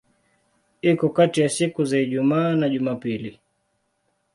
Iko kati ya siku za Ijumaa na Jumapili.